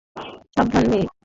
সাবধান, মেয়ে।